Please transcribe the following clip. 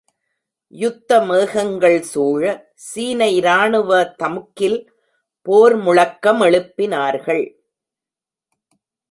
யுத்த மேகங்கள் சூழ சீன இராணுவ தமுக்கில் போர் முழக்க மெழுப்பினார்கள்.